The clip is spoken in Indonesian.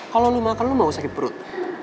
kalo lu makan lu mau sakit perut